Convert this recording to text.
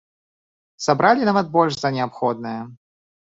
Сабралі нават больш за неабходнае.